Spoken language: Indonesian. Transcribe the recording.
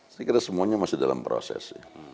saya kira semuanya masih dalam proses